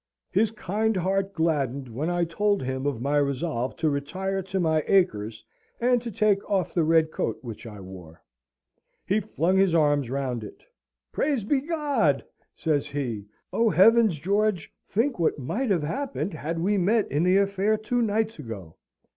His kind heart gladdened when I told him of my resolve to retire to my acres and to take off the red coat which I wore: he flung his arms round it. "Praised be God!" said he. "Oh, heavens, George! think what might have happened had we met in the affair two nights ago!"